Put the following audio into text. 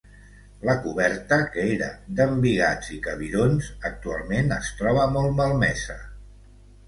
La coberta, que era d'embigats i cabirons, actualment es troba molt malmesa.